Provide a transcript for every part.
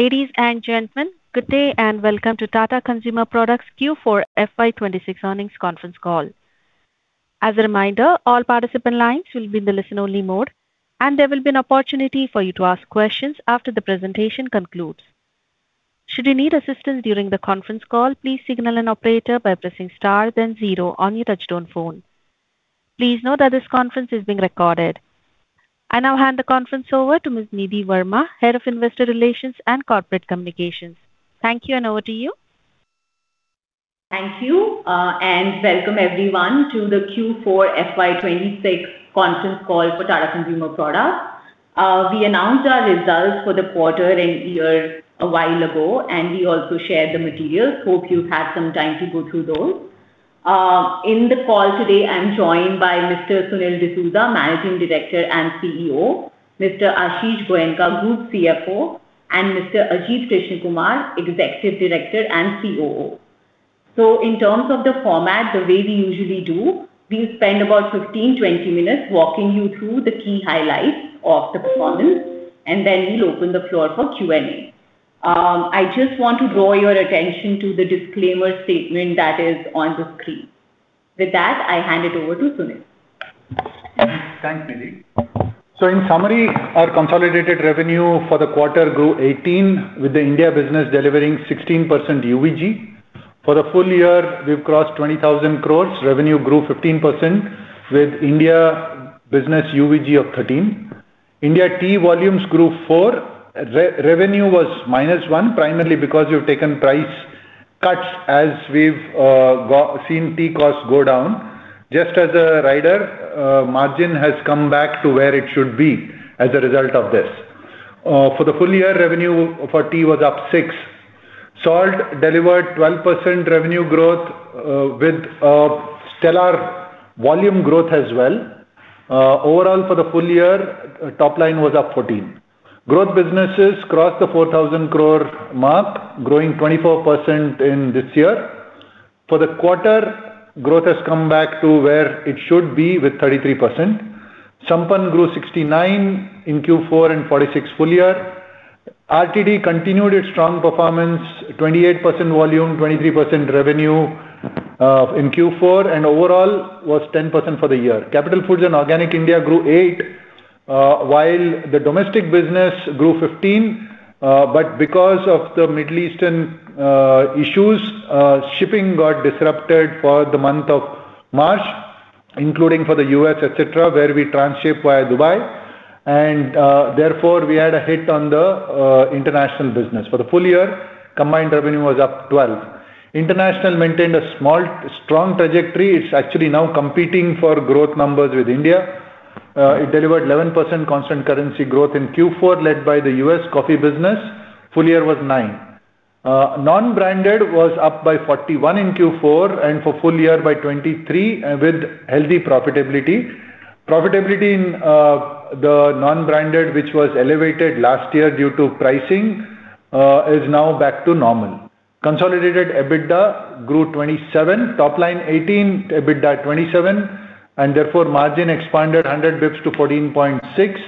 Ladies and gentlemen, good day and welcome to Tata Consumer Products Q4 FY 2026 earnings conference call. As a reminder, all participant lines will be in the listen-only mode, and there will be an opportunity for you to ask questions after the presentation concludes. Should you need assistance during the conference call, please signal an operator by pressing star then zero on your touch-tone phone. Please note that this conference is being recorded. I now hand the conference over to Ms. Nidhi Verma, Head of Investor Relations and Corporate Communications. Thank you, and over to you. Thank you, and welcome everyone to the Q4 FY 2026 conference call for Tata Consumer Products. We announced our results for the quarter and year a while ago, and we also shared the materials. Hope you've had some time to go through those. In the call today, I'm joined by Mr. Sunil D'Souza, Managing Director and CEO, Mr. Ashish Goenka, Group CFO, and Mr. Ajit Krishnakumar, Executive Director and COO. In terms of the format, the way we usually do, we spend about 15, 20 minutes walking you through the key highlights of the performance, and then we'll open the floor for Q&A. I just want to draw your attention to the disclaimer statement that is on the screen. With that, I hand it over to Sunil. Thanks, Nidhi. In summary, our consolidated revenue for the quarter grew 18%, with the India business delivering 16% UVG. For the full year, we've crossed 20,000 crore. Revenue grew 15% with India business UVG of 13%. India tea volumes grew 4%. Revenue was -1%, primarily because we've taken price cuts as we've seen tea costs go down. Just as a rider, margin has come back to where it should be as a result of this. For the full year, revenue for tea was up 6%. Salt delivered 12% revenue growth, with a stellar volume growth as well. Overall, for the full year, top line was up 14%. Growth businesses crossed the 4,000 crore mark, growing 24% in this year. For the quarter, growth has come back to where it should be with 33%. Sampann grew 69% in Q4 and 46 full year. RTD continued its strong performance, 28% volume, 23% revenue, in Q4, and overall was 10% for the year. Capital Foods and Organic India grew 8%, while the domestic business grew 15%, because of the Middle Eastern issues, shipping got disrupted for the month of March, including for the U.S., et cetera, where we transship via Dubai and, therefore, we had a hit on the international business. For the full year, combined revenue was up 12%. International maintained a small, strong trajectory. It's actually now competing for growth numbers with India. It delivered 11% constant currency growth in Q4, led by the U.S. coffee business. Full year was 9%. Non-branded was up by 41% in Q4, and for full year by 23%, with healthy profitability. Profitability in the non-branded, which was elevated last year due to pricing, is now back to normal. Consolidated EBITDA grew 27%, top line 18%, EBITDA 27%, therefore, margin expanded 100 basis points to 14.6%.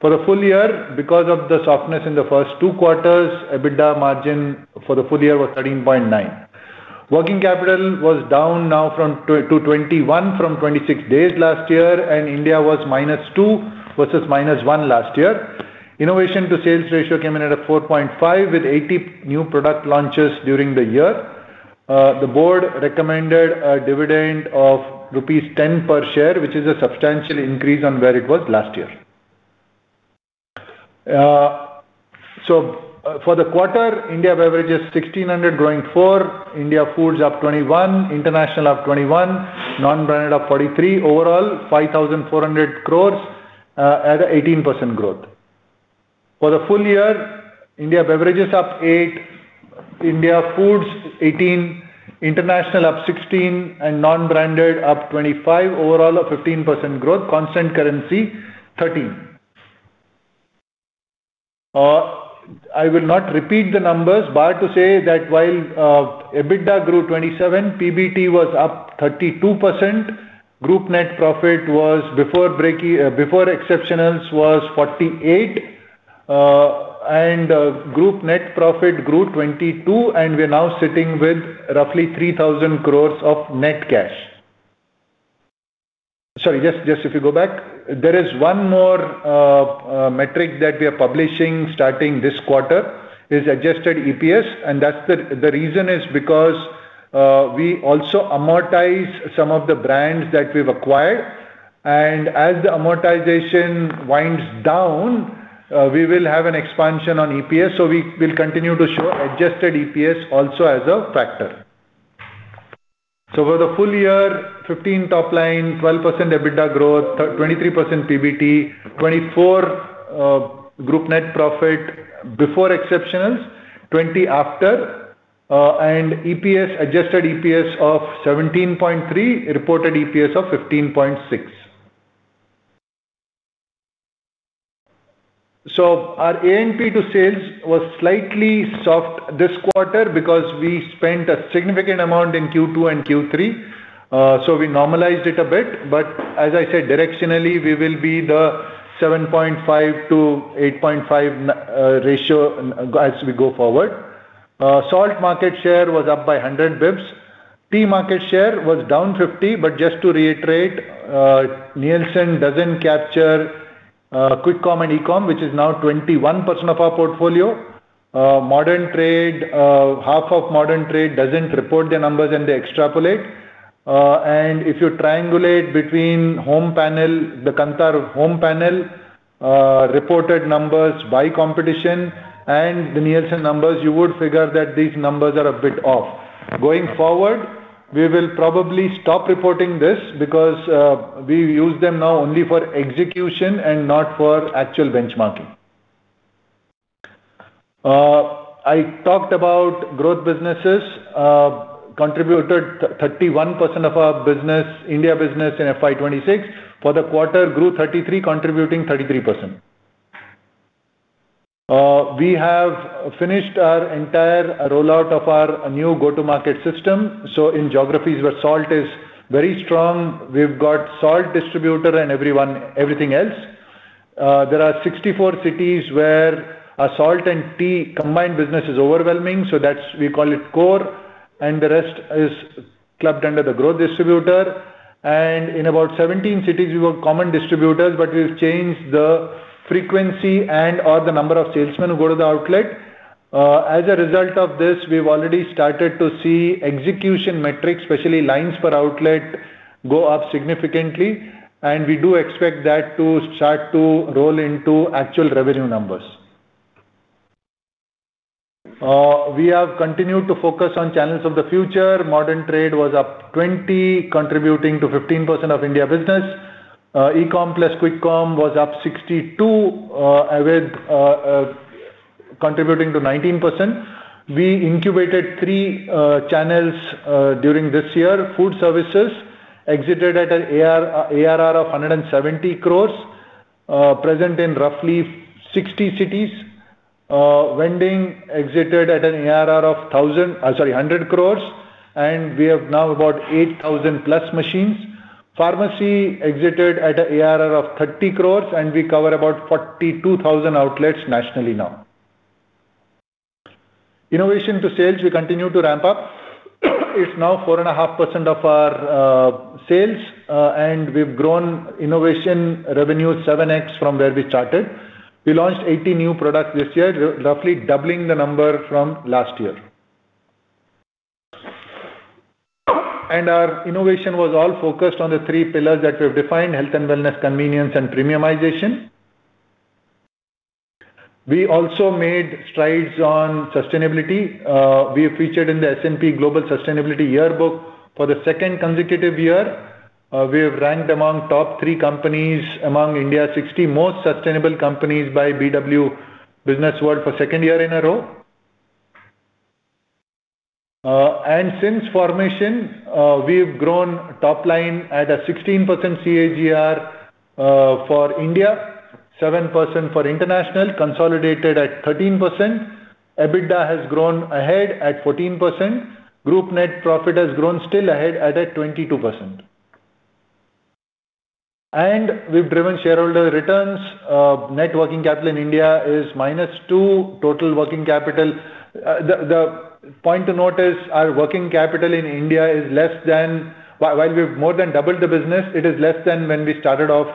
For the full year, because of the softness in the first two quarters, EBITDA margin for the full year was 13.9%. Working capital was down now to 21 from 26 days last year, and India was -2 versus -1 last year. Innovation to sales ratio came in at a 4.5% with 80 new product launches during the year. The board recommended a dividend of rupees 10 per share, which is a substantial increase on where it was last year. For the quarter, India beverages 1,600, growing 4%, India foods up 21%, international up 21%, non-branded up 43%. Overall, 5,400 crores, at 18% growth. For the full year, India beverages up 8%, India foods 18%, international up 16%, and non-branded up 25%. Overall, a 15% growth. Constant currency, 13%. I will not repeat the numbers bar to say that while EBITDA grew 27%, PBT was up 32%. Group net profit was before break before exceptionals was 48%, and group net profit grew 22%, and we're now sitting with roughly 3,000 crores of net cash. Sorry, yes, if you go back, there is one more metric that we are publishing starting this quarter, is adjusted EPS, and that's the reason is because we also amortize some of the brands that we've acquired. As the amortization winds down, we will have an expansion on EPS. We will continue to show adjusted EPS also as a factor. For the full year, 15% top line, 12% EBITDA growth, 23% PBT, 24% group net profit before exceptionals, 20% after, and EPS, adjusted EPS of 17.3%, reported EPS of 15.6%. Our A&P to sales was slightly soft this quarter because we spent a significant amount in Q2 and Q3. We normalized it a bit, but as I said, directionally, we will be the 7.5%-8.5% ratio as we go forward. Salt market share was up by 100 basis points. Tea market share was down 50%, but just to reiterate, Nielsen doesn't capture quick comm and e-comm, which is now 21% of our portfolio. Modern trade, half of modern trade doesn't report their numbers, and they extrapolate. And if you triangulate between home panel, the Kantar home panel, reported numbers by competition and the Nielsen numbers, you would figure that these numbers are a bit off. Going forward, we will probably stop reporting this because we use them now only for execution and not for actual benchmarking. I talked about growth businesses, contributed 31% of our business, India business in FY 2026. For the quarter grew 33%, contributing 33%. We have finished our entire rollout of our new go-to-market system. In geographies where salt is very strong, we've got salt distributor and everything else. There are 64 cities where our salt and tea combined business is overwhelming, that's we call it core, the rest is clubbed under the growth distributor. In about 17 cities, we were common distributors, we've changed the frequency and or the number of salesmen who go to the outlet. As a result of this, we've already started to see execution metrics, especially lines per outlet, go up significantly, we do expect that to start to roll into actual revenue numbers. We have continued to focus on channels of the future. Modern trade was up 20%, contributing to 15% of India business. e-comm plus quick comm was up 62%, contributing to 19%. We incubated three channels during this year. Food services exited at an ARR of 170 crore, present in roughly 60 cities. Vending exited at an ARR of 100 crore, and we have now about 8,000+ machines. Pharmacy exited at an ARR of 30 crore. We cover about 42,000 outlets nationally now. Innovation to sales, we continue to ramp up. It's now 4.5% of our sales. We've grown innovation revenue 7x from where we started. We launched 80 new products this year, roughly doubling the number from last year. Our innovation was all focused on the three pillars that we have defined: health and wellness, convenience, and premiumization. We also made strides on sustainability. We are featured in the S&P Global Sustainability Yearbook for the second consecutive year. We have ranked among top three companies among India 60 most sustainable companies by BW Businessworld for second year in a row. Since formation, we've grown top line at a 16% CAGR for India, 7% for international, consolidated at 13%. EBITDA has grown ahead at 14%. Group net profit has grown still ahead at a 22%. We've driven shareholder returns. Net working capital in India is -2. Total working capital, the point to note is our working capital in India is less than while we've more than doubled the business, it is less than when we started off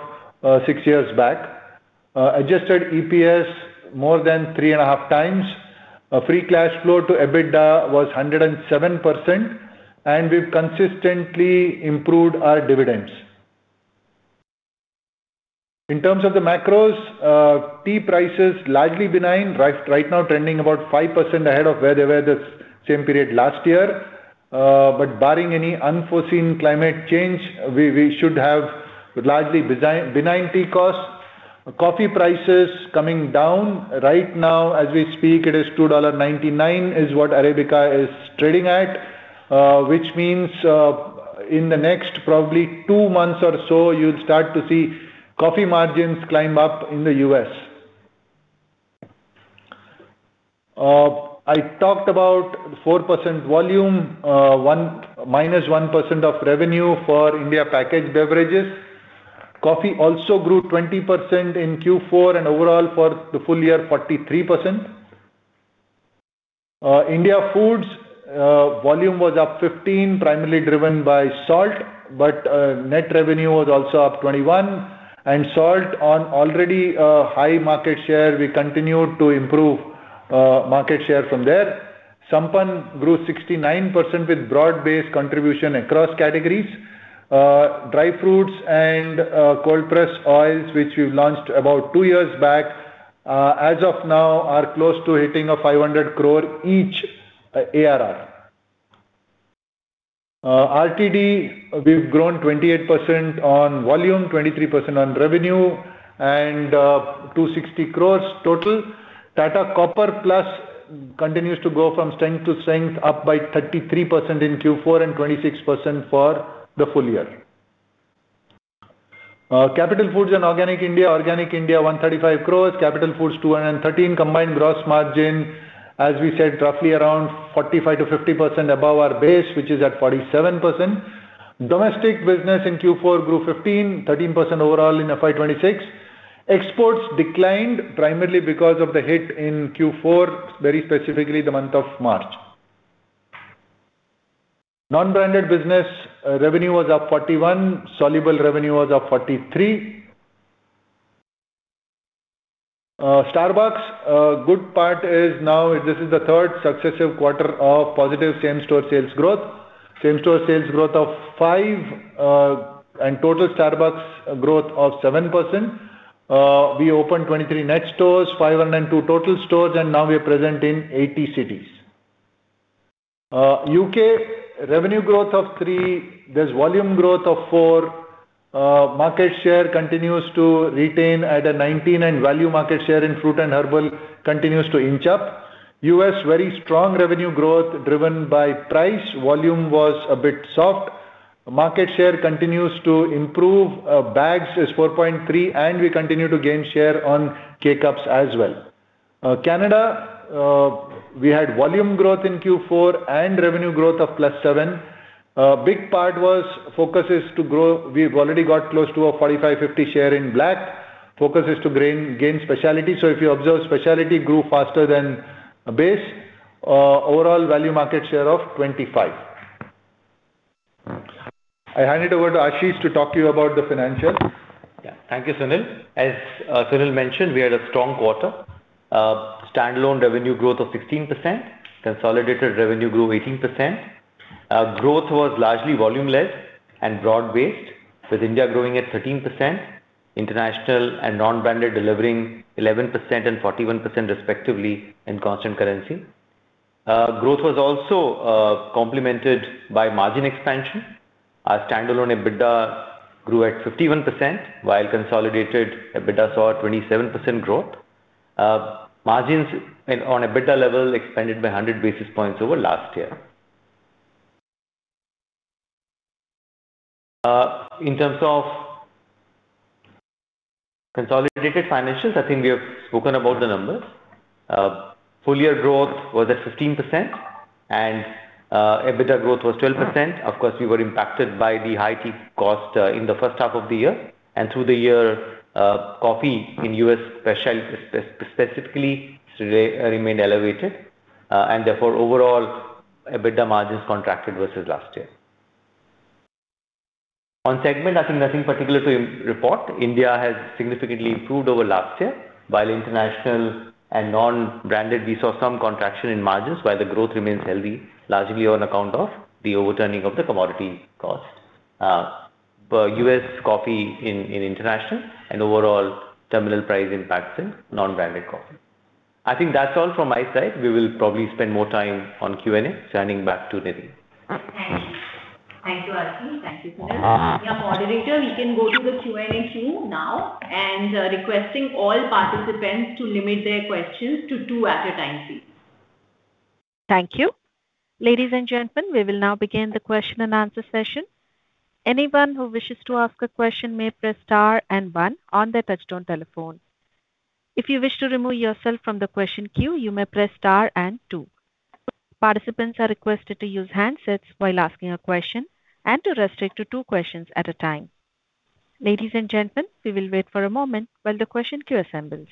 six years back. Adjusted EPS more than 3.5x. Free cash flow to EBITDA was 107%, and we've consistently improved our dividends. In terms of the macros, tea prices largely benign. Right now trending about 5% ahead of where they were the same period last year. But barring any unforeseen climate change, we should have largely benign tea costs. Coffee prices coming down. Right now as we speak, it is $2.99 is what Arabica is trading at, which means, in the next probably two months or so, you'll start to see coffee margins climb up in the U.S. I talked about 4% volume, -1% of revenue for India packaged beverages. Coffee also grew 20% in Q4, and overall for the full year, 43%. India foods, volume was up 15, primarily driven by salt, but net revenue was also up 21%. Salt on already a high market share, we continued to improve market share from there. Sampann grew 69% with broad-based contribution across categories. Dry fruits and cold-pressed oils, which we've launched about two years back, as of now are close to hitting a 500 crore each ARR. RTD, we've grown 28% on volume, 23% on revenue and 260 crores total. Tata Copper+ continues to go from strength to strength, up by 33% in Q4 and 26% for the full year. Capital Foods and Organic India. Organic India 135 crores, Capital Foods 213. Combined gross margin, as we said, roughly around 45%-50% above our base, which is at 47%. Domestic business in Q4 grew 15%, 13% overall in FY 2026. Exports declined primarily because of the hit in Q4, very specifically the month of March. Non-branded business revenue was up 41%, soluble revenue was up 43%. Starbucks, good part is now this is the third successive quarter of positive same-store sales growth. Same-store sales growth of 5%, and total Starbucks growth of 7%. We opened 23 net stores, 502 total stores, and now we are present in 80 cities. U.K. revenue growth of 3%. There's volume growth of 4%. Market share continues to retain at a 19%, and value market share in fruit and herbal continues to inch up. U.S., very strong revenue growth driven by price. Volume was a bit soft. Market share continues to improve. Bags is 4.3%, and we continue to gain share on K-Cups as well. Canada, we had volume growth in Q4 and revenue growth of +7%. A big part was focus is to grow. We've already got close to a 45%-50% share in black. Focus is to gain specialty. If you observe, specialty grew faster than base. Overall value market share of 25%. I hand it over to Ashish to talk to you about the financials. Thank you, Sunil. As Sunil mentioned, we had a strong quarter. Standalone revenue growth of 16%, consolidated revenue grew 18%. Growth was largely volume-led and broad-based, with India growing at 13%, international and non-branded delivering 11% and 41% respectively in constant currency. Growth was also complemented by margin expansion. Our standalone EBITDA grew at 51%, while consolidated EBITDA saw a 27% growth. Margins on EBITDA level expanded by 100 basis points over last year. In terms of consolidated financials, I think we have spoken about the numbers. Full-year growth was at 15% and EBITDA growth was 12%. Of course, we were impacted by the high tea cost in the first half of the year. Through the year, coffee in U.S. specifically remained elevated, and therefore overall EBITDA margins contracted versus last year. On segment, I think nothing particular to report. India has significantly improved over last year. While international and non-branded, we saw some contraction in margins while the growth remains healthy, largely on account of the overturning of the commodity cost, U.S. coffee in international and overall terminal price impacts in non-branded coffee. I think that's all from my side. We will probably spend more time on Q&A. Turning back to Nidhi. Thank you. Thank you, Ashish. Thank you, Sunil. Yeah, moderator, we can go to the Q&A queue now. Requesting all participants to limit their questions to two at a time please. Thank you. Ladies and gentlemen, we will now begin the question and answer session. Anyone who wishes to ask a question may press star and one on their touchtone telephone. If you wish to remove yourself from the question queue, you may press star and two. Participants are requested to use handsets while asking a question and to restrict to two questions at a time. Ladies and gentlemen, we will wait for a moment while the question queue assembles.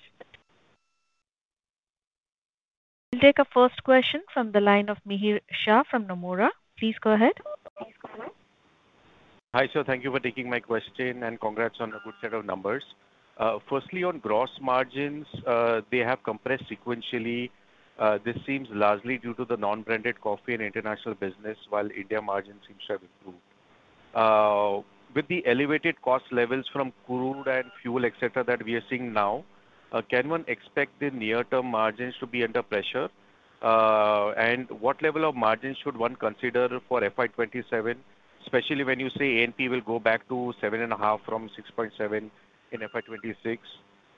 We will take our first question from the line of Mihir Shah from Nomura. Please go ahead. Hi, sir. Thank you for taking my question and congrats on a good set of numbers. Firstly, on gross margins, they have compressed sequentially. This seems largely due to the non-branded coffee and international business, while India margin seems to have improved. With the elevated cost levels from crude and fuel, et cetera, that we are seeing now, can one expect the near-term margins to be under pressure? What level of margin should one consider for FY 2027, especially when you say A&P will go back to 7.5% from 6.7% in FY 2026,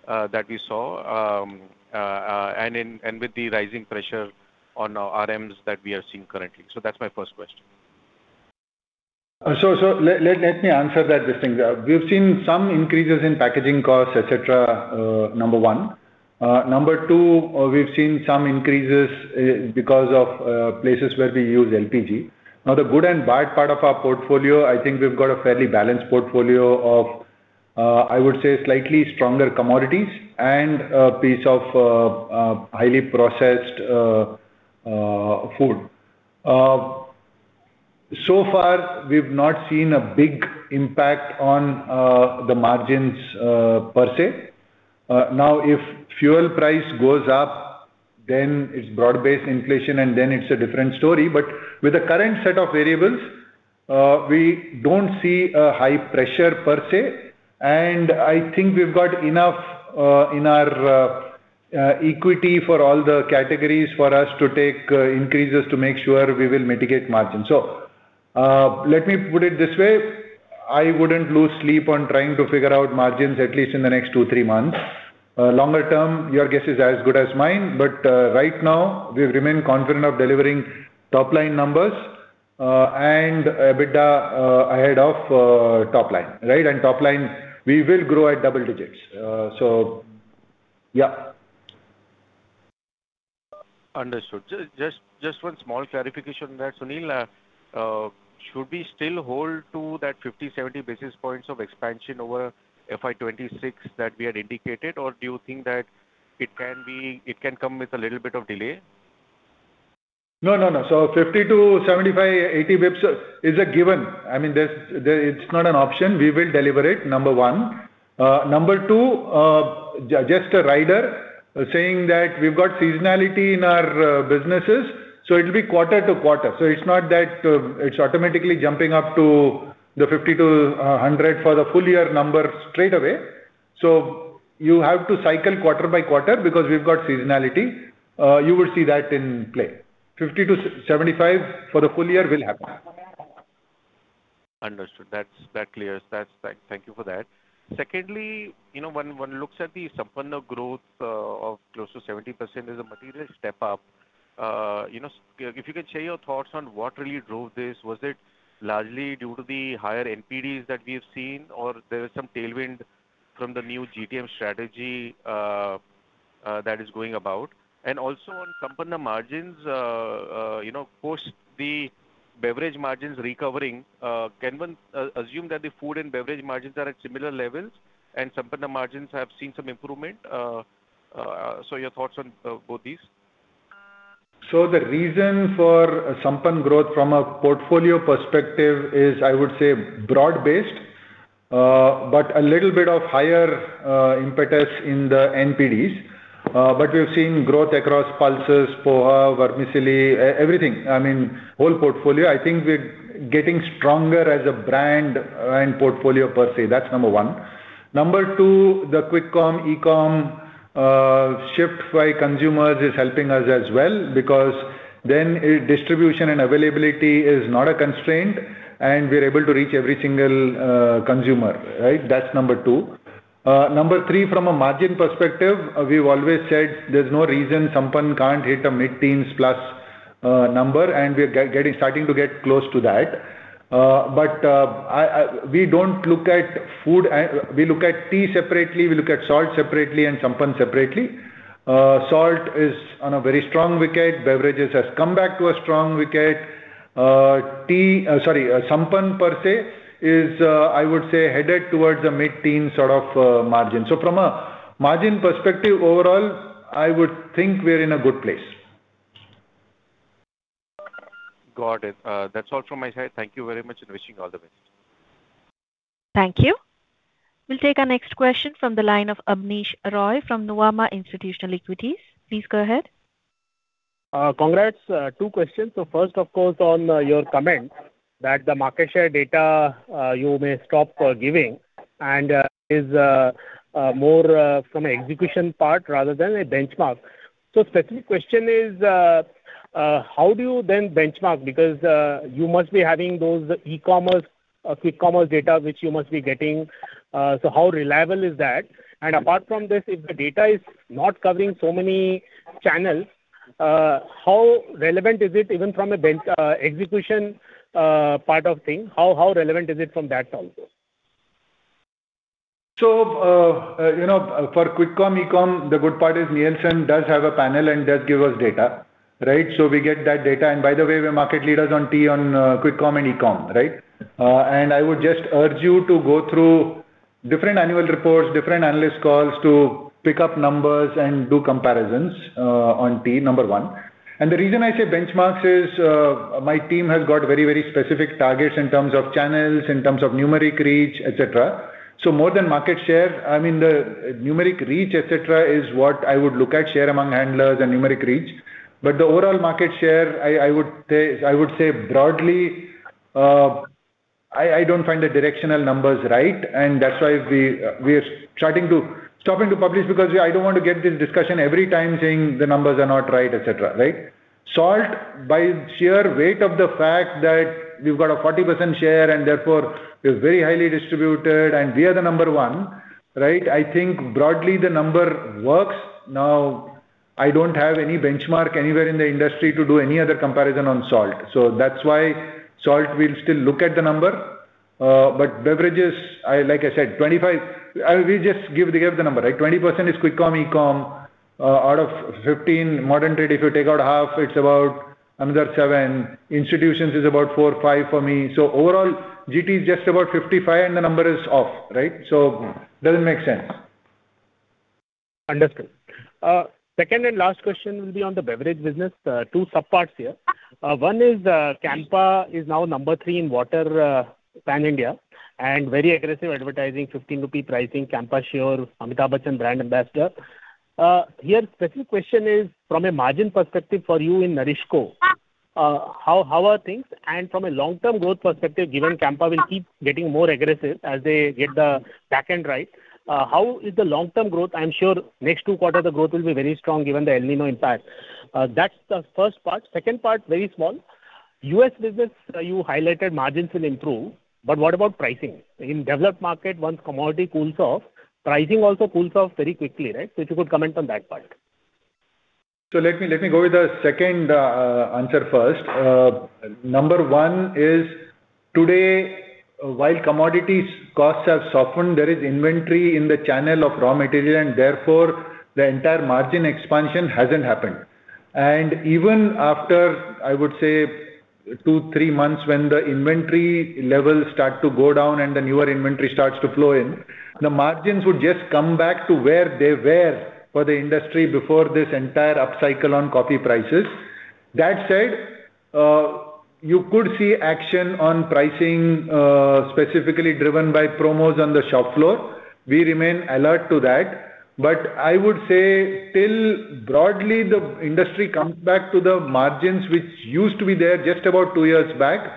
that we saw, and with the rising pressure on our RMs that we are seeing currently? That's my first question. Let me answer that distinction. We've seen some increases in packaging costs, et cetera, number one. Number two, we've seen some increases because of places where we use LPG. The good and bad part of our portfolio, I think we've got a fairly balanced portfolio of, I would say slightly stronger commodities and a piece of highly processed food. So far, we've not seen a big impact on the margins per se. If fuel price goes up, then it's broad-based inflation, and then it's a different story. With the current set of variables, we don't see a high pressure per se. I think we've got enough in our equity for all the categories for us to take increases to make sure we will mitigate margins. Let me put it this way, I wouldn't lose sleep on trying to figure out margins, at least in the next two, three months. Longer term, your guess is as good as mine, but right now we remain confident of delivering top-line numbers. EBITDA ahead of top line, right? Top line we will grow at double digits. Yeah. Understood. Just one small clarification there, Sunil. Should we still hold to that 50, 70 basis points of expansion over FY 2026 that we had indicated? Or do you think that it can come with a little bit of delay? No, no. 50-75, 80 basis points is a given. I mean, it's not an option. We will deliver it, number one. Number two, just a rider saying that we've got seasonality in our businesses, so it'll be quarter to quarter. It's not that it's automatically jumping up to the 50 to 100 for the full year number straight away. You have to cycle quarter by quarter because we've got seasonality. You will see that in play. 50 to 75 for the full year will happen. Understood. That clears. Thank you for that. Secondly, you know, when one looks at the Sampann growth of close to 70% is a material step up. You know, if you can share your thoughts on what really drove this. Was it largely due to the higher NPDs that we've seen, or there was some tailwind from the new GTM strategy that is going about? Also on Sampann margins, you know, post the beverage margins recovering, can one assume that the food and beverage margins are at similar levels and Sampann margins have seen some improvement? Your thoughts on both these. The reason for Tata Sampann growth from a portfolio perspective is, I would say, broad based, but a little bit of higher impetus in the NPDs. But we've seen growth across pulses, poha, vermicelli, everything. I mean, whole portfolio. I think we're getting stronger as a brand and portfolio per se. That's number one. Number two, the quick commerce, e-commerce shift by consumers is helping us as well, because then distribution and availability is not a constraint, and we're able to reach every single consumer. That's number two. Number three, from a margin perspective, we've always said there's no reason Sampann can't hit a mid-teens plus number, and we're starting to get close to that. But we don't look at food and we look at tea separately, we look at salt separately, and Sampann separately. Salt is on a very strong wicket. Beverages has come back to a strong wicket. Sampann per se is, I would say, headed towards a mid-teen sort of margin. From a margin perspective overall, I would think we're in a good place. Got it. That's all from my side. Thank you very much and wishing you all the best. Thank you. We'll take our next question from the line of Abneesh Roy from Nomura Institutional Equities. Please go ahead. Congrats. Two questions. First, of course, on your comment that the market share data you may stop giving and is more from an execution part rather than a benchmark. Specific question is, how do you then benchmark? Because you must be having those e-commerce, quick commerce data which you must be getting. How reliable is that? Apart from this, if the data is not covering so many channels, how relevant is it even from an execution part of thing? How relevant is it from that also? You know, for quick com, e-com, the good part is Nielsen does have a panel and does give us data, right? We get that data. By the way, we're market leaders on tea on quick com and e-com, right? I would just urge you to go through different annual reports, different analyst calls to pick up numbers and do comparisons on tea, number one. The reason I say benchmarks is my team has got very, very specific targets in terms of channels, in terms of numeric reach, et cetera. More than market share, I mean, the numeric reach, et cetera, is what I would look at, share among handlers and numeric reach. The overall market share, I would say, I would say broadly, I don't find the directional numbers right. That's why we're stopping to publish because I don't want to get this discussion every time saying the numbers are not right, et cetera, right? Salt, by sheer weight of the fact that we've got a 40% share and therefore we're very highly distributed and we are the number one, right? I think broadly the number works. I don't have any benchmark anywhere in the industry to do any other comparison on salt. That's why salt we'll still look at the number. Beverages, like I said, 25%, we just give the number, right? 20% is quick com, e-com. Out of 15 modern trade, if you take out half, it's about another 7%. Institutions is about 4%, 5% for me. Overall, GT is just about 55 and the number is off, right? Doesn't make sense. Understood. Second and last question will be on the beverage business. Two sub parts here. One is Campa is now number three in water, PAN India, very aggressive advertising, 15 rupee pricing, Campa Sure, Amitabh Bachchan brand ambassador. Here specific question is, from a margin perspective for you in NourishCo, how are things? From a long-term growth perspective, given Campa will keep getting more aggressive as they get the back end right, how is the long-term growth? I'm sure next two quarter the growth will be very strong given the El Niño impact. That's the first part. Second part, very small. U.S. business, you highlighted margins will improve, what about pricing? In developed market, once commodity cools off, pricing also cools off very quickly, right? If you could comment on that part. Let me go with the second answer first. Number one is today, while commodities costs have softened, there is inventory in the channel of raw material, and therefore, the entire margin expansion hasn't happened. Even after, I would say two, three months when the inventory levels start to go down and the newer inventory starts to flow in, the margins would just come back to where they were for the industry before this entire upcycle on coffee prices. That said, you could see action on pricing, specifically driven by promos on the shop floor. We remain alert to that. I would say till broadly the industry comes back to the margins which used to be there just about two years back,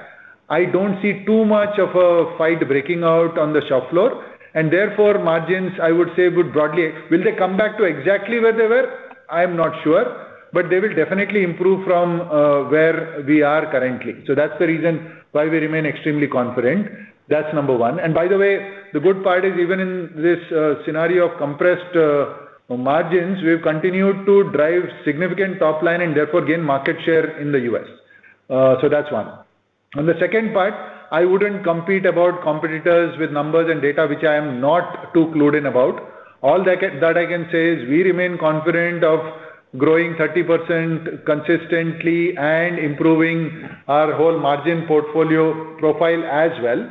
I don't see too much of a fight breaking out on the shop floor, and therefore margins, I would say, would broadly. Will they come back to exactly where they were? I'm not sure. They will definitely improve from where we are currently. That's the reason why we remain extremely confident. That's number one. By the way, the good part is even in this scenario of compressed margins, we've continued to drive significant top line and therefore gain market share in the U.S. So that's one. On the second part, I wouldn't compete about competitors with numbers and data which I am not too clued in about. All that I can say is we remain confident of growing 30% consistently and improving our whole margin portfolio profile as well.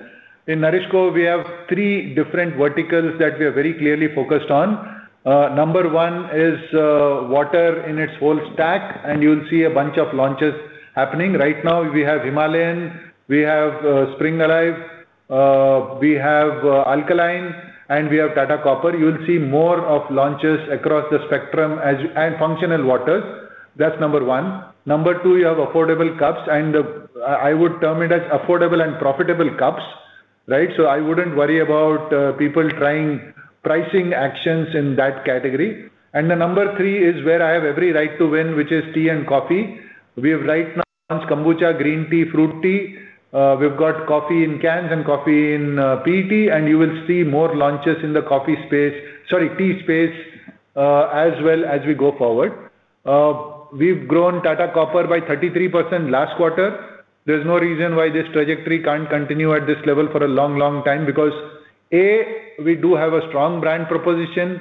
In NourishCo, we have three different verticals that we are very clearly focused on. Number one is water in its whole stack, and you'll see a bunch of launches happening. Right now we have Himalayan, we have Spring Alive, we have Alkaline, and we have Tata Copper. You'll see more of launches across the spectrum. Functional waters. That's number one. Number two, you have affordable cups, and I would term it as affordable and profitable cups, right? I wouldn't worry about people trying pricing actions in that category. The number three is where I have every right to win, which is tea and coffee. We have right now Kombucha, green tea, fruit tea. We've got coffee in cans and coffee in PET, and you will see more launches in the tea space, as well as we go forward. We've grown Tata Copper by 33% last quarter. There's no reason why this trajectory can't continue at this level for a long, long time because, A, we do have a strong brand proposition.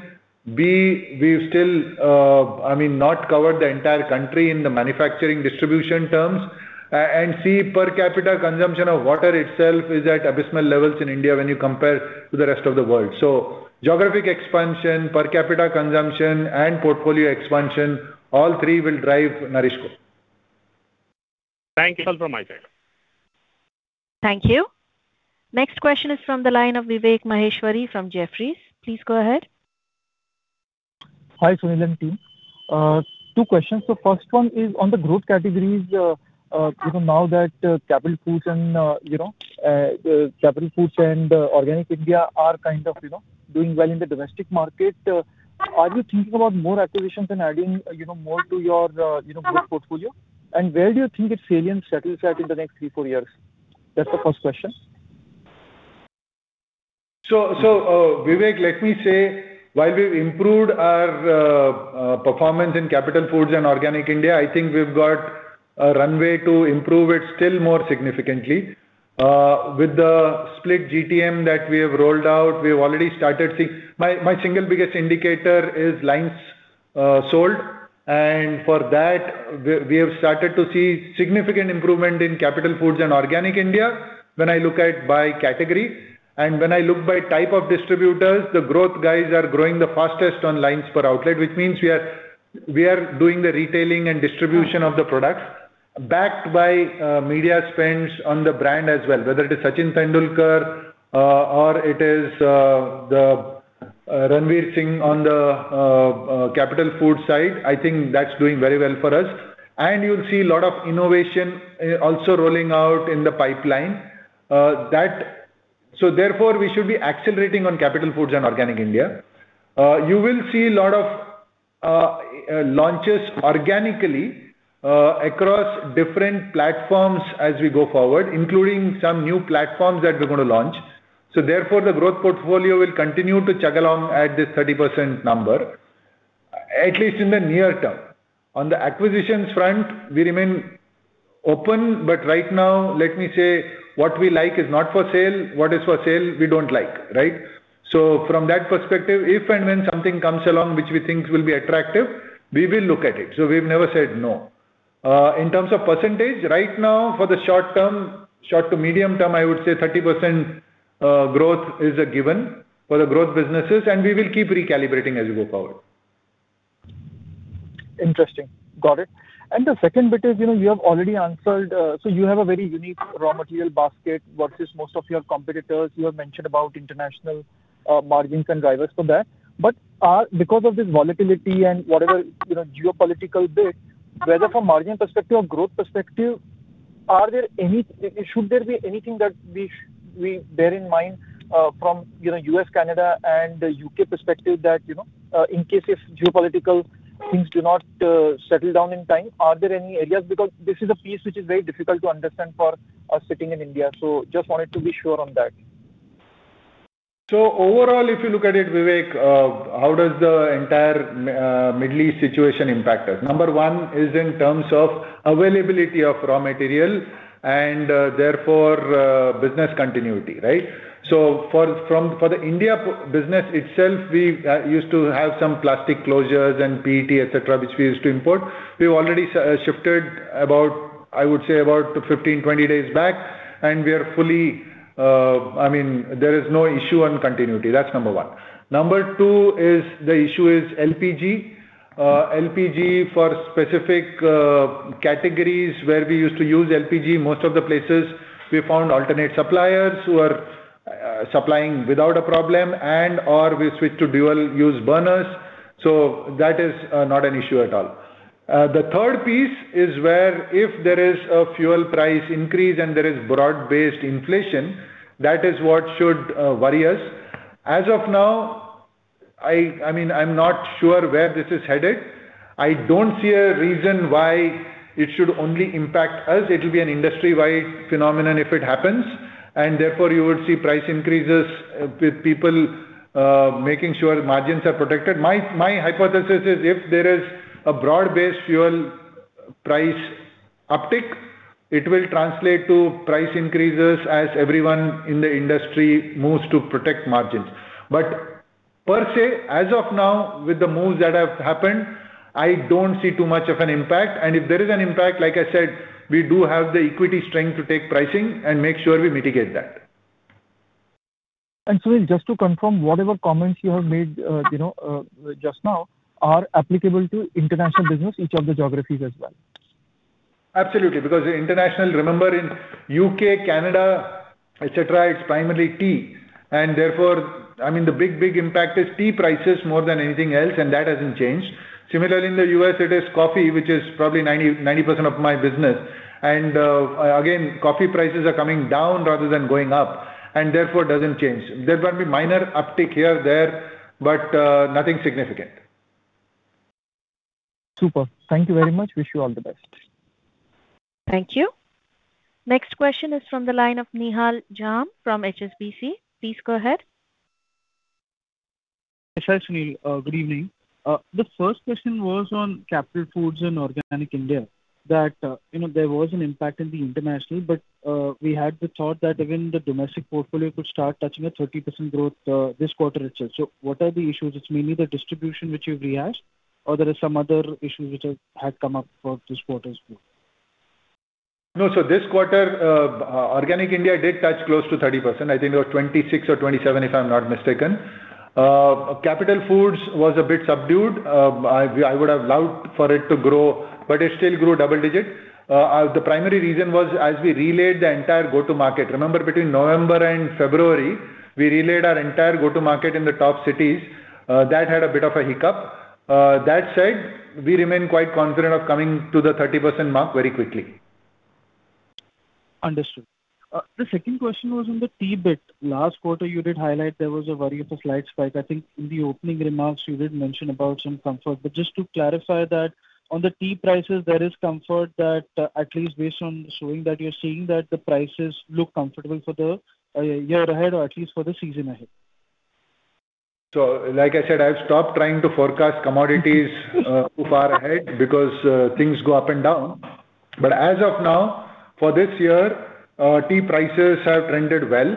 B, we've still, I mean, not covered the entire country in the manufacturing distribution terms. And C, per capita consumption of water itself is at abysmal levels in India when you compare to the rest of the world. Geographic expansion, per capita consumption, and portfolio expansion, all three will drive NourishCo. Thank you. That's all from my side. Thank you. Next question is from the line of Vivek Maheshwari from Jefferies. Please go ahead. Hi, Sunil and team. Two questions. First one is on the growth categories. You know, now that Capital Foods and Organic India are kind of, you know, doing well in the domestic market, are you thinking about more acquisitions and adding, you know, more to your growth portfolio? Where do you think its salient settles at in the next three-four years? That's the first question. Vivek, let me say, while we've improved our performance in Capital Foods and Organic India, I think we've got a runway to improve it still more significantly. With the split GTM that we have rolled out, we have already started seeing My single biggest indicator is lines sold. For that, we have started to see significant improvement in Capital Foods and Organic India when I look at by category. When I look by type of distributors, the growth guys are growing the fastest on lines per outlet, which means we are doing the retailing and distribution of the products backed by media spends on the brand as well, whether it is Sachin Tendulkar, or it is Ranveer Singh on the Capital Foods side. I think that's doing very well for us. You'll see a lot of innovation also rolling out in the pipeline. Therefore, we should be accelerating on Capital Foods and Organic India. You will see a lot of launches organically across different platforms as we go forward, including some new platforms that we're gonna launch. Therefore, the growth portfolio will continue to chug along at this 30% number, at least in the near term. On the acquisitions front, we remain open, but right now, let me say what we like is not for sale. What is for sale, we don't like. From that perspective, if and when something comes along which we think will be attractive, we will look at it. We've never said no. In terms of percentage, right now for the short term, short to medium term, I would say 30% growth is a given for the growth businesses. We will keep recalibrating as we go forward. Interesting. Got it. The second bit is, you know, you have already answered, you have a very unique raw material basket versus most of your competitors. You have mentioned about international margins and drivers for that. Because of this volatility and whatever, you know, geopolitical bit, whether from margin perspective or growth perspective, should there be anything that we bear in mind, from, you know, U.S., Canada and U.K. perspective that, you know, in case if geopolitical things do not settle down in time, are there any areas? Because this is a piece which is very difficult to understand for us sitting in India. Just wanted to be sure on that. Overall, if you look at it, Vivek, how does the entire Middle East situation impact us? Number one is in terms of availability of raw material and therefore business continuity, right? For the India business itself, we used to have some plastic closures and PET, et cetera, which we used to import. We've already shifted about, I would say, about 15, 20 days back, and we are fully I mean, there is no issue on continuity. That's number one. Number two is the issue is LPG. LPG for specific categories where we used to use LPG, most of the places we found alternate suppliers who are supplying without a problem and/or we switch to dual use burners. That is not an issue at all. The third piece is where if there is a fuel price increase and there is broad-based inflation, that is what should worry us. As of now, I mean, I'm not sure where this is headed. I don't see a reason why it should only impact us. It'll be an industry-wide phenomenon if it happens, and therefore you would see price increases with people making sure margins are protected. My hypothesis is if there is a broad-based fuel price uptick, it will translate to price increases as everyone in the industry moves to protect margins. Per se, as of now, with the moves that have happened, I don't see too much of an impact. If there is an impact, like I said, we do have the equity strength to take pricing and make sure we mitigate that. Sunil, just to confirm, whatever comments you have made, you know, just now are applicable to international business, each of the geographies as well? Absolutely. International, remember in U.K., Canada, et cetera, it's primarily tea, and therefore, I mean, the big, big impact is tea prices more than anything else, and that hasn't changed. Similarly, in the U.S. it is coffee, which is probably 90% of my business. Again, coffee prices are coming down rather than going up and therefore doesn't change. There might be minor uptick here, there, but nothing significant. Super. Thank you very much. Wish you all the best. Thank you. Next question is from the line of Nihal Jham from HSBC. Please go ahead. Yes, hi, Sunil. Good evening. The first question was on Capital Foods and Organic India that, you know, there was an impact in the international, but we had the thought that even the domestic portfolio could start touching a 30% growth this quarter itself. What are the issues? It's mainly the distribution which you've rehashed, or there is some other issue which has come up for this quarter as well. No. This quarter, Organic India did touch close to 30%. I think it was 26% or 27%, if I'm not mistaken. Capital Foods was a bit subdued. I would have loved for it to grow, but it still grew double-digit. The primary reason was as we relaid the entire go-to-market, remember between November and February, we relaid our entire go-to-market in the top cities. That had a bit of a hiccup. That said, we remain quite confident of coming to the 30% mark very quickly. Understood. The second question was on the tea bit. Last quarter you did highlight there was a worry of a slight spike. I think in the opening remarks you did mention about some comfort. Just to clarify that on the tea prices, there is comfort that at least based on showing that you're seeing that the prices look comfortable for the year ahead or at least for the season ahead. Like I said, I've stopped trying to forecast commodities too far ahead because things go up and down. As of now, for this year, tea prices have trended well.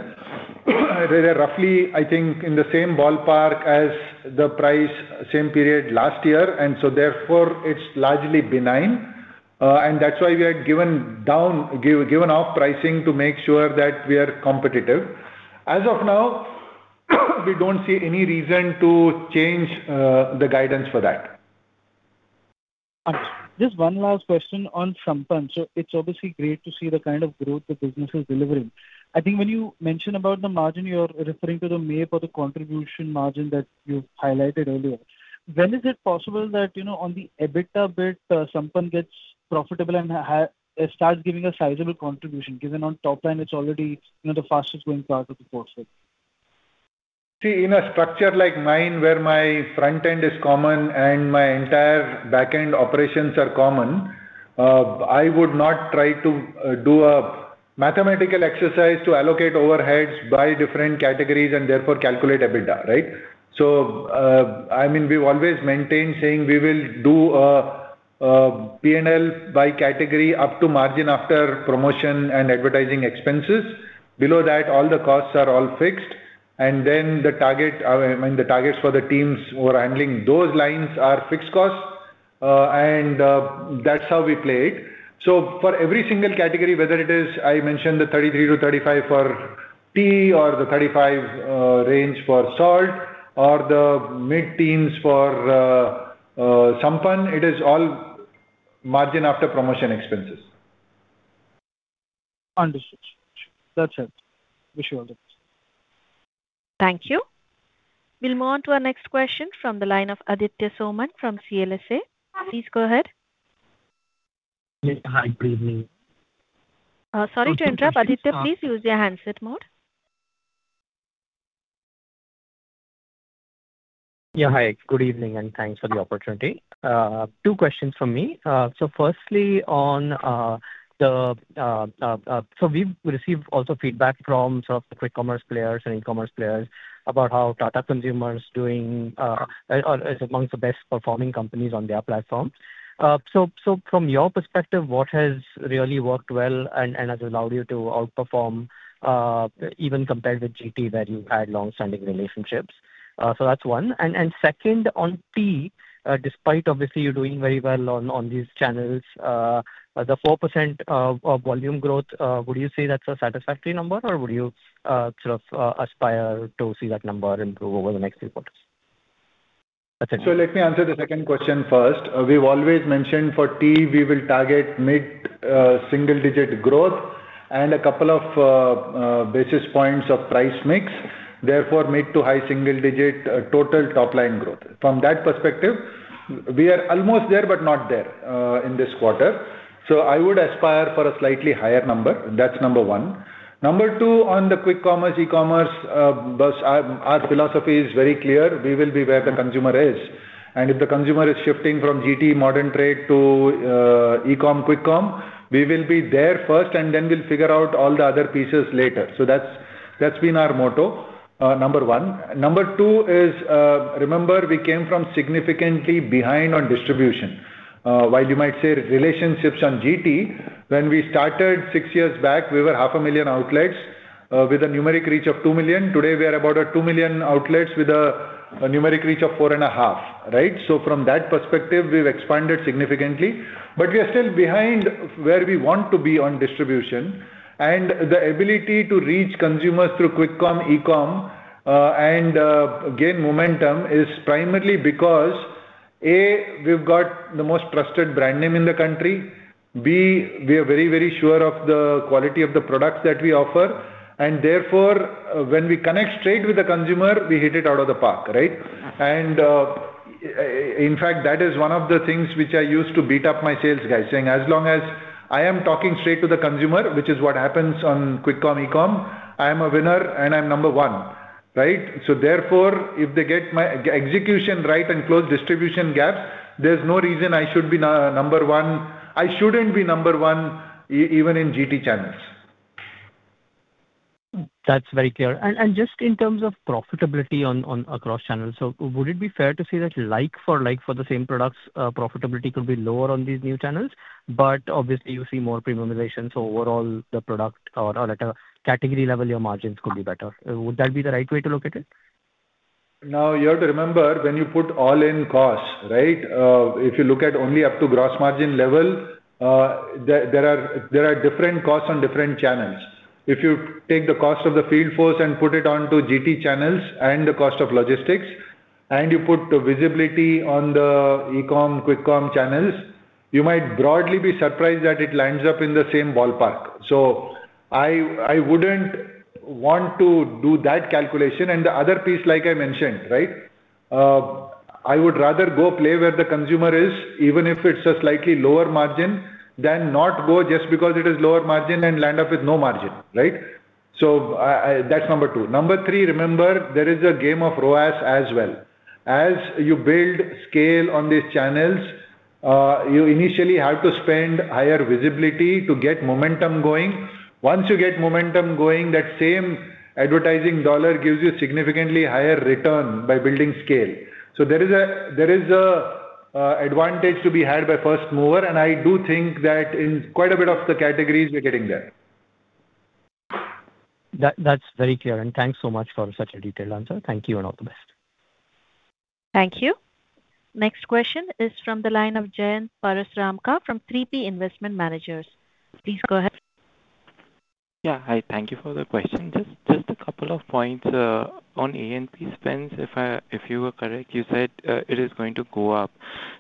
They are roughly, I think, in the same ballpark as the price same period last year, and so therefore it's largely benign. That's why we had given off pricing to make sure that we are competitive. As of now, we don't see any reason to change the guidance for that. Just one last question on Sampann. It's obviously great to see the kind of growth the business is delivering. I think when you mention about the margin, you're referring to the MAP or the contribution margin that you highlighted earlier. When is it possible that, you know, on the EBITDA bit, Sampann gets profitable and it starts giving a sizable contribution, given on top line it's already, you know, the fastest growing part of the portfolio. See, in a structure like mine where my front end is common and my entire back end operations are common, I would not try to do a mathematical exercise to allocate overheads by different categories and therefore calculate EBITDA, right? I mean, we've always maintained saying we will do a P&L by category up to margin after promotion and advertising expenses. Below that, all the costs are all fixed. I mean, the targets for the teams who are handling those lines are fixed costs. That's how we play it. For every single category, whether it is, I mentioned the 33%-35% for tea or the 35% range for salt or the mid-teens for Sampann, it is all margin after promotion expenses. Understood. That's it. Wish you all the best. Thank you. We'll move on to our next question from the line of Aditya Soman from CLSA. Please go ahead. Hi, good evening. Sorry to interrupt, Aditya. Please use your handset mode. Yeah. Hi, good evening, and thanks for the opportunity. Two questions from me. Firstly, we've received also feedback from sort of the quick commerce players and e-commerce players about how Tata Consumer is doing, or is amongst the best performing companies on their platform. From your perspective, what has really worked well and has allowed you to outperform, even compared with GT, where you had long-standing relationships? That's 1. Second, on tea, despite obviously you're doing very well on these channels, the 4% of volume growth, would you say that's a satisfactory number or would you sort of aspire to see that number improve over the next few quarters? That's it. Let me answer the second question first. We've always mentioned for tea we will target mid-single-digit growth and a couple of basis points of price mix, therefore mid-to-high single-digit total top-line growth. From that perspective, we are almost there, but not there in this quarter. I would aspire for a slightly higher number. That's number one. Number two, on the quick commerce, e-commerce, BAS, our philosophy is very clear. We will be where the consumer is, and if the consumer is shifting from GT modern trade to e-com, quick com, we will be there first, and then we'll figure out all the other pieces later. That's, that's been our motto, number one. Number two is, remember we came from significantly behind on distribution. While you might say relationships on GT, when we started six years back, we were half a million outlets, with a numeric reach of two million. Today we are about at two million outlets with a numeric reach of 4.5 million, right. From that perspective, we've expanded significantly, but we are still behind where we want to be on distribution. The ability to reach consumers through quick com, e-com, and gain momentum is primarily because, A, we've got the most trusted brand name in the country. B, we are very, very sure of the quality of the products that we offer, and therefore, when we connect straight with the consumer, we hit it out of the park, right. In fact, that is one of the things which I use to beat up my sales guys, saying, "As long as I am talking straight to the consumer," which is what happens on quick com, e-com, "I am a winner and I'm number one," right? Therefore, if they get my execution right and close distribution gaps, there's no reason I shouldn't be number one even in GT channels. That's very clear. Just in terms of profitability across channels, would it be fair to say that like for like for the same products, profitability could be lower on these new channels, but obviously you see more premiumization, so overall the product or at a category level, your margins could be better. Would that be the right way to look at it? You have to remember when you put all in costs, right? If you look at only up to gross margin level, there are different costs on different channels. If you take the cost of the field force and put it onto GT channels and the cost of logistics, and you put the visibility on the e-com, quick com channels, you might broadly be surprised that it lands up in the same ballpark. I wouldn't want to do that calculation. The other piece, like I mentioned, right, I would rather go play where the consumer is, even if it's a slightly lower margin than not go just because it is lower margin and land up with no margin, right? That's number two. Number three, remember there is a game of ROAS as well. As you build scale on these channels, you initially have to spend higher visibility to get momentum going. Once you get momentum going, that same advertising dollar gives you significantly higher return by building scale. There is an advantage to be had by first mover, and I do think that in quite a bit of the categories we're getting there. That's very clear. Thanks so much for such a detailed answer. Thank you, and all the best. Thank you. Next question is from the line of Jayant Parasramka from 3P Investment Managers. Please go ahead. Yeah. Hi, thank you for the question. Just a couple of points on A&P spends. If you were correct, you said it is going to go up.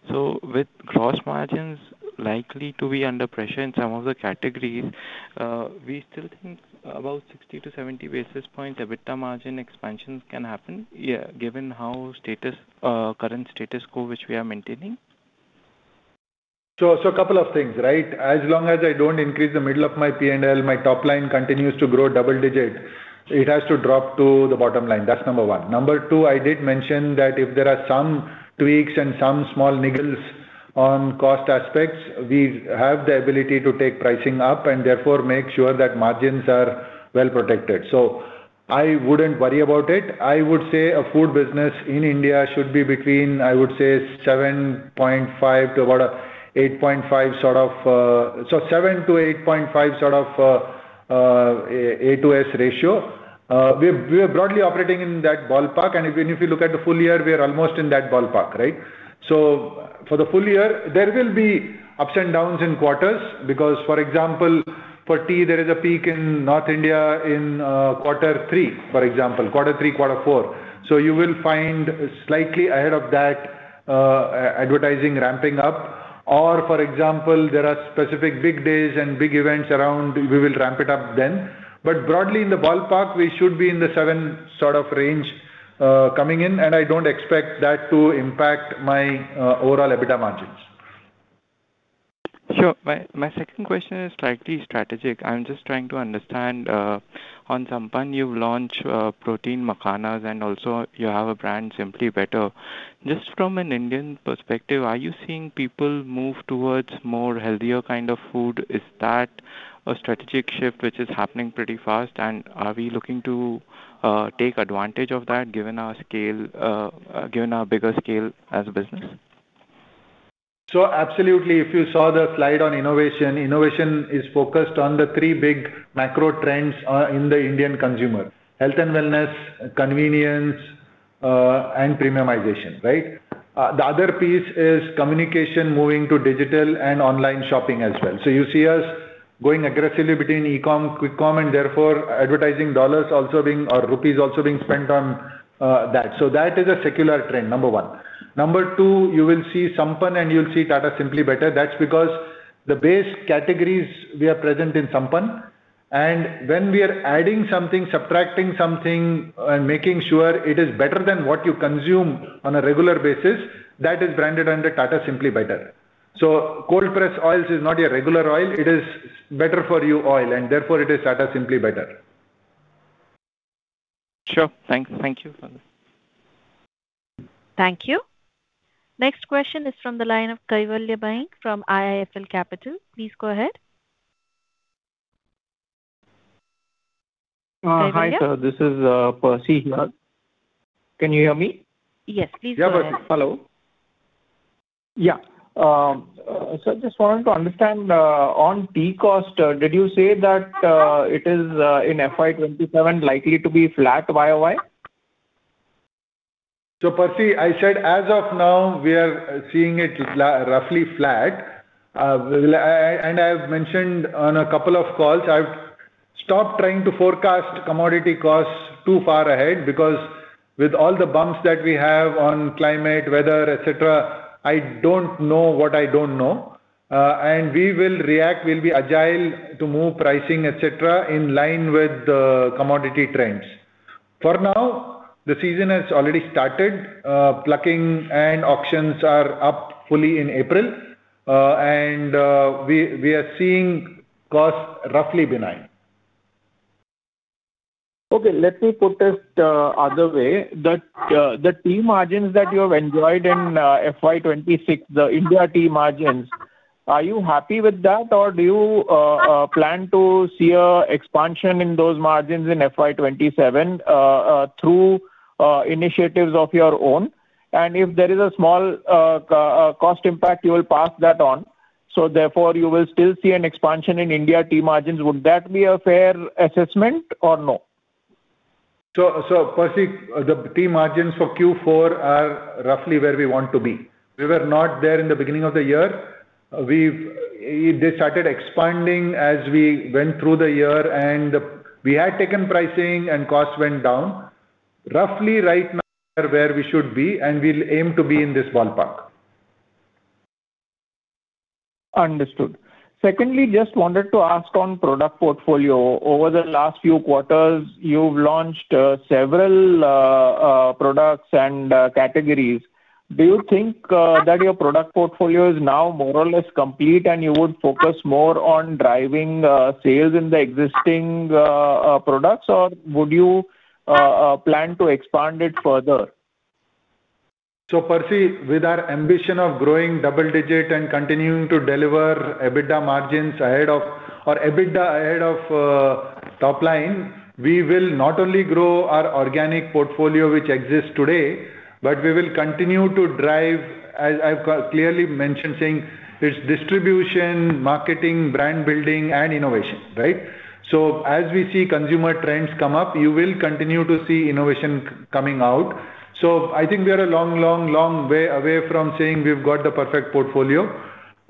With gross margins likely to be under pressure in some of the categories, we still think about 60 to 70 basis point EBITDA margin expansions can happen, yeah, given how status, current status quo which we are maintaining. Couple of things, right. As long as I don't increase the middle of my P&L, my top line continues to grow double-digit, it has to drop to the bottom line. That's number one. Number two, I did mention that if there are some tweaks and some small niggles on cost aspects, we have the ability to take pricing up and therefore make sure that margins are well protected. I wouldn't worry about it. I would say a food business in India should be between, I would say 7.5% to about an 8.5% sort of, 7%-8.5% sort of, A2S ratio. We're broadly operating in that ballpark. Even if you look at the full year, we are almost in that ballpark, right. For the full year, there will be ups and downs in quarters because, for example, for tea there is a peak in North India in quarter three, for example, quarter three, quarter three. You will find slightly ahead of that advertising ramping up. For example, there are specific big days and big events around, we will ramp it up then. Broadly in the ballpark, we should be in the seven sort of range coming in, and I don't expect that to impact my overall EBITDA margins. Sure. My second question is slightly strategic. I'm just trying to understand, on Tata Sampann you've launched protein Makhana, and also you have a brand Tata Simply Better. Just from an Indian perspective, are you seeing people move towards more healthier kind of food? Is that a strategic shift which is happening pretty fast, and are we looking to take advantage of that given our scale, given our bigger scale as a business? Absolutely. If you saw the slide on innovation is focused on the three big macro trends in the Indian consumer: health and wellness, convenience, and premiumization, right? The other piece is communication moving to digital and online shopping as well. You see us going aggressively between eCom, QuickCom, and therefore rupees also being spent on that. That is a secular trend, number one. Number two, you will see Sampann and you'll see Tata Simply Better. That's because the base categories we are present in Sampann, and when we are adding something, subtracting something, making sure it is better than what you consume on a regular basis, that is branded under Tata Simply Better. Cold-pressed oils is not your regular oil, it is better for you oil, and therefore it is Tata Simply Better. Sure. Thank you for that. Thank you. Next question is from the line of Kaivalya Baing from IIFL Capital. Please go ahead. Hi, sir. This is Percy here. Can you hear me? Yes, please go ahead. Yeah. Good. Hello. Yeah. I just wanted to understand, on tea cost, did you say that it is in FY 2027 likely to be flat YoY? Percy, I said as of now we are seeing it roughly flat. I've mentioned on a couple of calls, I've stopped trying to forecast commodity costs too far ahead because with all the bumps that we have on climate, weather, et cetera, I don't know what I don't know. We will react, we'll be agile to move pricing, et cetera, in line with the commodity trends. For now, the season has already started. Plucking and auctions are up fully in April. We are seeing costs roughly benign. Okay, let me put it other way. The tea margins that you have enjoyed in FY 2026, the India tea margins, are you happy with that or do you plan to see a expansion in those margins in FY 2027 through initiatives of your own? If there is a small cost impact you will pass that on, so therefore you will still see an expansion in India tea margins. Would that be a fair assessment or no? Percy, the tea margins for Q4 are roughly where we want to be. We were not there in the beginning of the year. It started expanding as we went through the year and we had taken pricing and costs went down. Roughly right now we are where we should be, and we will aim to be in this ballpark. Understood. Secondly, just wanted to ask on product portfolio. Over the last few quarters you've launched several products and categories. Do you think that your product portfolio is now more or less complete and you would focus more on driving sales in the existing products? Or would you plan to expand it further? Percy, with our ambition of growing double-digit and continuing to deliver EBITDA margins or EBITDA ahead of top line, we will not only grow our organic portfolio which exists today, but we will continue to drive, as I've clearly mentioned saying, it's distribution, marketing, brand building and innovation, right? As we see consumer trends come up, you will continue to see innovation coming out. I think we are a long, long, long way away from saying we've got the perfect portfolio.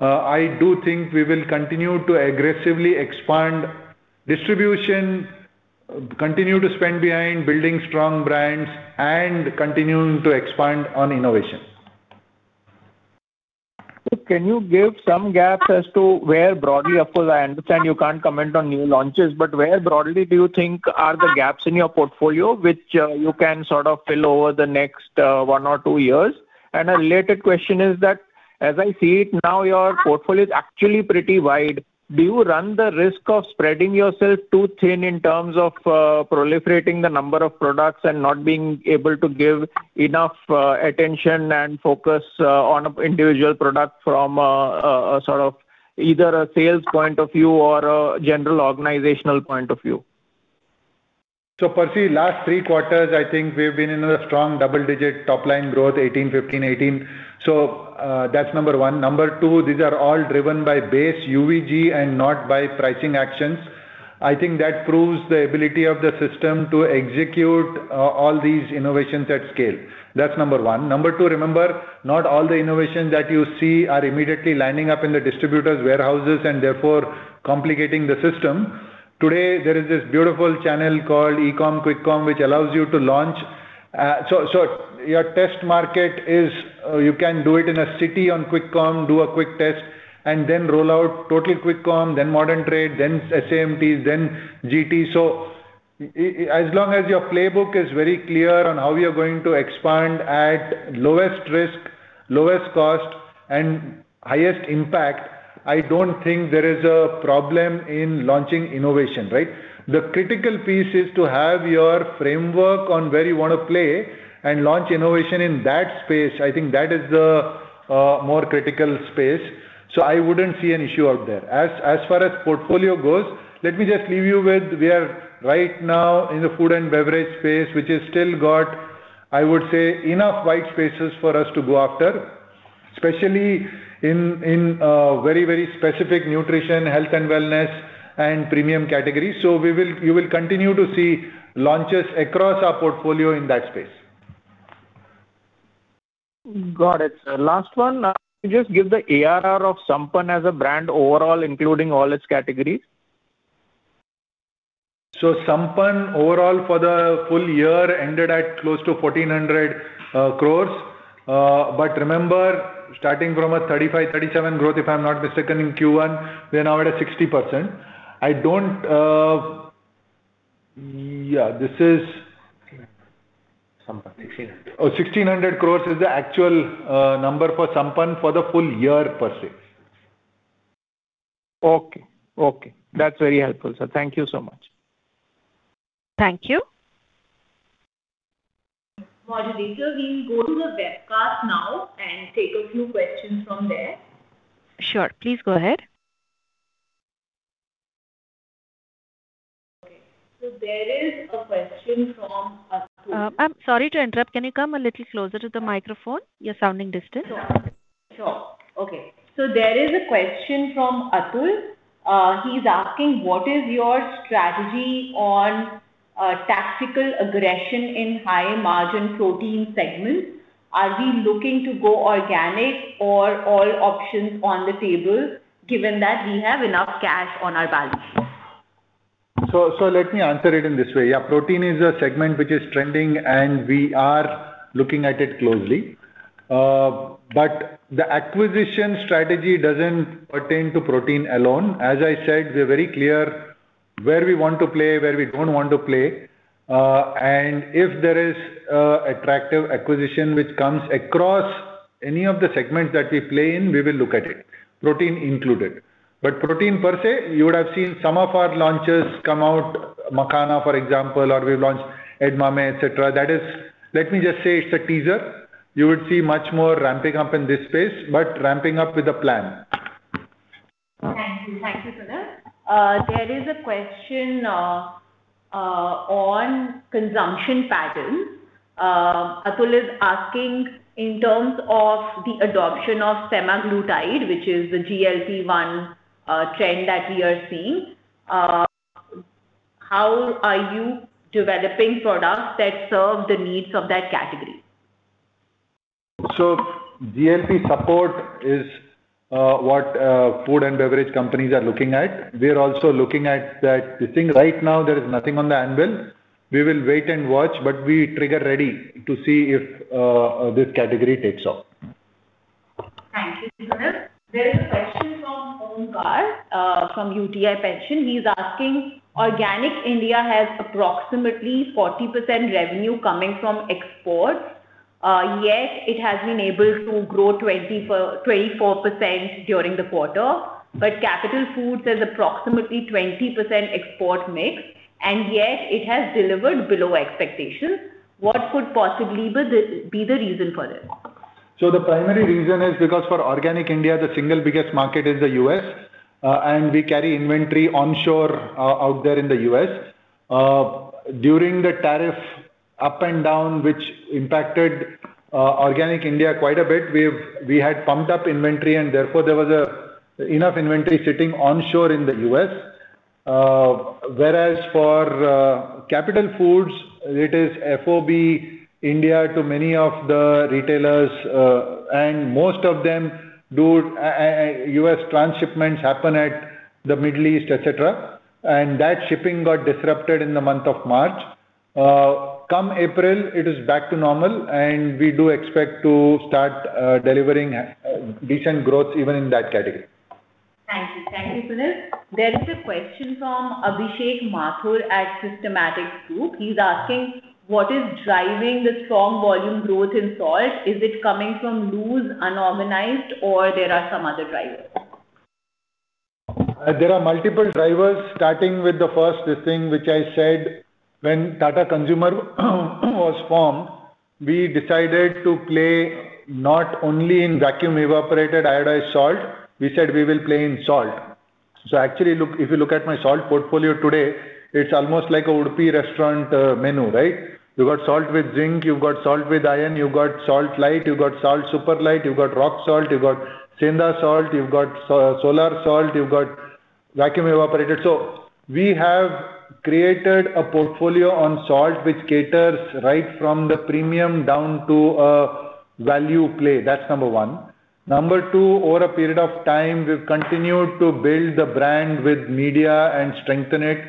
I do think we will continue to aggressively expand distribution, continue to spend behind building strong brands, and continuing to expand on innovation. Can you give some gaps as to where broadly, of course I understand you can't comment on new launches, but where broadly do you think are the gaps in your portfolio which you can sort of fill over the next one or two years? A related question is that as I see it now, your portfolio is actually pretty wide. Do you run the risk of spreading yourself too thin in terms of proliferating the number of products and not being able to give enough attention and focus on an individual product from a sort of either a sales point of view or a general organizational point of view? Percy, last three quarters I think we've been in a strong double-digit top line growth 18%, 15%, 18%. That's number one. Number one, these are all driven by base UVG and not by pricing actions. I think that proves the ability of the system to execute all these innovations at scale. That's number one. Number two, remember, not all the innovations that you see are immediately lining up in the distributors' warehouses and therefore complicating the system. Today, there is this beautiful channel called eCom, QuickCom, which allows you to launch. Your test market is, you can do it in a city on QuickCom, do a quick test, and then roll out total QuickCom, then modern trade, then SAMT, then GT. As long as your playbook is very clear on how you're going to expand at lowest risk, lowest cost, and highest impact, I don't think there is a problem in launching innovation, right. The critical piece is to have your framework on where you want to play and launch innovation in that space. I think that is the more critical space. I wouldn't see an issue out there. As far as portfolio goes, let me just leave you with we are right now in the food and beverage space, which has still got, I would say, enough white spaces for us to go after, especially in very, very specific nutrition, health and wellness, and premium categories. You will continue to see launches across our portfolio in that space. Got it, sir. Last one. Can you just give the ARR of Sampann as a brand overall, including all its categories? Sampann overall for the full year ended at close to 1,400 crores. Remember, starting from a 35%-37% growth, if I'm not mistaken, in Q1, we are now at a 60%. Sampann. 1,600. Oh, 1,600 crores is the actual number for Sampann for the full year per se. Okay. Okay. That's very helpful, sir. Thank you so much. Thank you. Moderator, we'll go to the webcast now and take a few questions from there. Sure. Please go ahead. Okay. There is a question from Atul. I'm sorry to interrupt. Can you come a little closer to the microphone? You're sounding distant. Sure. Sure. Okay. There is a question from Atul. He's asking: What is your strategy on tactical aggression in high margin protein segment? Are we looking to go organic or all options on the table given that we have enough cash on our balance sheet? Let me answer it in this way. Yeah, protein is a segment which is trending, and we are looking at it closely. The acquisition strategy doesn't pertain to protein alone. As I said, we're very clear where we want to play, where we don't want to play. If there is an attractive acquisition which comes across any of the segments that we play in, we will look at it, protein included. Protein per se, you would have seen some of our launches come out, Makhana, for example, or we've launched Edamame, et cetera. Let me just say it's a teaser. You would see much more ramping up in this space, but ramping up with a plan. Thank you. Thank you, Sunil. There is a question on consumption patterns. Atul is asking in terms of the adoption of semaglutide, which is the GLP-1 trend that we are seeing, how are you developing products that serve the needs of that category? GLP-1 support is what food and beverage companies are looking at. We're also looking at that. The thing right now, there is nothing on the anvil. We will wait and watch, we trigger ready to see if this category takes off. Thank you, Sunil. There is a question from Omkar from UTI Pension. He's asking: Organic India has approximately 40% revenue coming from exports. Yet it has been able to grow 24% during the quarter. Capital Foods has approximately 20% export mix, and yet it has delivered below expectations. What could possibly be the reason for this? The primary reason is because for Organic India, the single biggest market is the U.S., and we carry inventory onshore out there in the U.S. During the tariff up and down, which impacted Organic India quite a bit, we had pumped up inventory, and therefore there was a enough inventory sitting onshore in the U.S. Whereas for Capital Foods, it is FOB India to many of the retailers, and most of them do U.S. transshipments happen at the Middle East, et cetera. That shipping got disrupted in the month of March. Come April, it is back to normal, and we do expect to start delivering decent growth even in that category. Thank you. Thank you, Sunil. There is a question from Abhishek Mathur at Systematix Group. He's asking: What is driving the strong volume growth in salt? Is it coming from loose unorganized or there are some other drivers? There are multiple drivers starting with the first listing, which I said when Tata Consumer was formed, we decided to play not only in vacuum evaporated iodized salt, we said we will play in salt. Actually, look, if you look at my salt portfolio today, it's almost like a Udupi restaurant, menu, right? You've got salt with zinc, you've got salt with iron, you've got salt light, you've got salt super light, you've got rock salt, you've got sendha salt, you've got solar salt, you've got vacuum evaporated. We have created a portfolio on salt which caters right from the premium down to a value play. That's number one. Number two, over a period of time, we've continued to build the brand with media and strengthen it.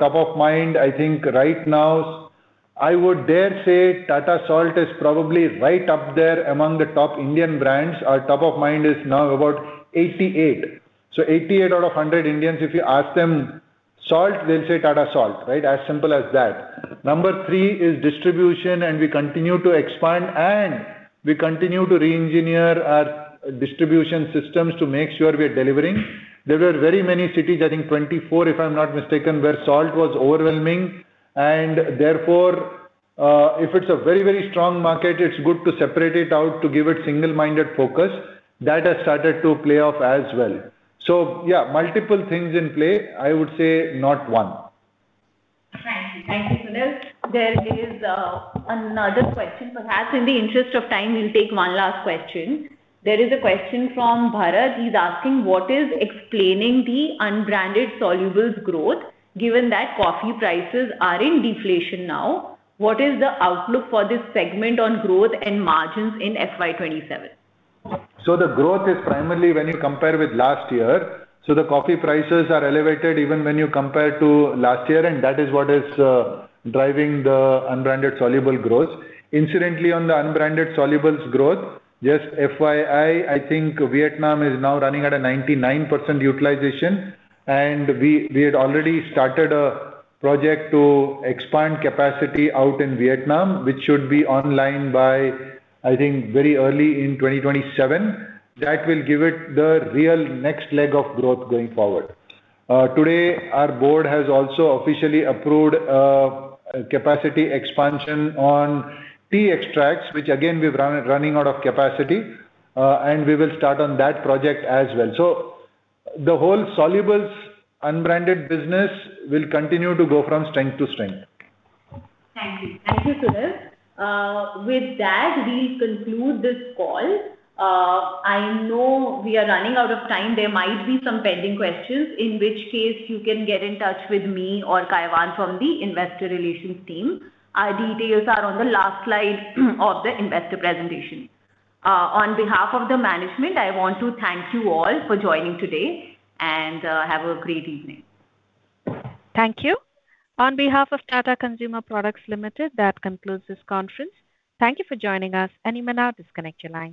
Top of mind, I think right now, I would dare say, Tata Salt is probably right up there among the top Indian brands. Our top of mind is now about 88. 88 out of 100 Indians, if you ask them salt, they'll say Tata Salt, right? As simple as that. Number three is distribution, and we continue to expand, and we continue to re-engineer our distribution systems to make sure we are delivering. There were very many cities, I think 24, if I'm not mistaken, where salt was overwhelming, and therefore, if it's a very, very strong market, it's good to separate it out to give it single-minded focus. That has started to play off as well. Yeah, multiple things in play, I would say, not one. Thank you. Thank you, Sunil. There is another question. Perhaps in the interest of time, we'll take one last question. There is a question from Bharat. He's asking what is explaining the unbranded solubles growth, given that coffee prices are in deflation now. What is the outlook for this segment on growth and margins in FY 2027? The growth is primarily when you compare with last year. The coffee prices are elevated even when you compare to last year, and that is what is driving the unbranded soluble growth. Incidentally, on the unbranded solubles growth, just FYI, I think Vietnam is now running at a 99% utilization, and we had already started a project to expand capacity out in Vietnam, which should be online by, I think, very early in 2027. That will give it the real next leg of growth going forward. Today our board has also officially approved capacity expansion on tea extracts, which again, we're running out of capacity, and we will start on that project as well. The whole solubles unbranded business will continue to go from strength to strength. Thank you, Sunil. With that, we'll conclude this call. I know we are running out of time. There might be some pending questions, in which case you can get in touch with me or Kaivan from the investor relations team. Our details are on the last slide of the investor presentation. On behalf of the management, I want to thank you all for joining today and have a great evening. Thank you. On behalf of Tata Consumer Products Limited, that concludes this conference. Thank you for joining us, and you may now disconnect your lines.